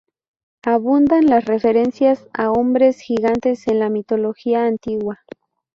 Abundan las referencias a hombres gigantes en la mitología antigua.